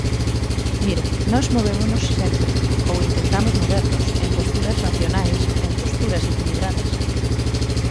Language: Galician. Mire, nós movémonos sempre, ou intentamos movernos, en posturas racionais, en posturas equilibradas.